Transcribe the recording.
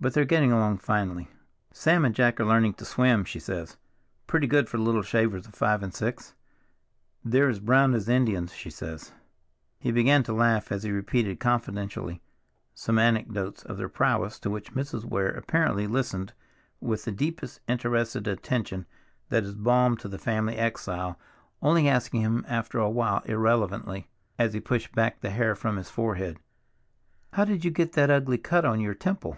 "But they're getting along finely. Sam and Jack are learning to swim, she says—pretty good for little shavers of five and six! They're as brown as Indians. She says—" he began to laugh as he repeated confidentially some anecdotes of their prowess to which Mrs. Weir apparently listened with the deeply interested attention that is balm to the family exile, only asking him after a while irrelevantly, as he pushed back the hair from his forehead, "How did you get that ugly cut on your temple?"